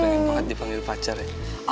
lagi banget dipanggil pacar ya